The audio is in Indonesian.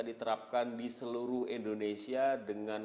diterapkan di seluruh indonesia dengan